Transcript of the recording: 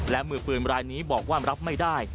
และมือปืนรายนี้บอกว่ารับไม่ได้